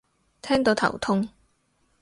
聽到頭痛